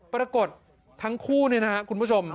ปรากฏทั้งคู่เนี่ยนะครับคุณผู้ชม